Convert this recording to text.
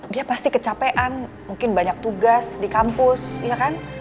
dia pasti kecapean mungkin banyak tugas di kampus ya kan